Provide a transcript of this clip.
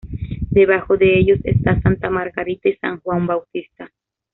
Debajo de ellos están santa Margarita y san Juan Bautista.